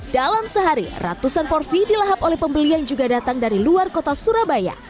dalam sehari ratusan porsi dilahap oleh pembeli yang juga datang dari luar kota surabaya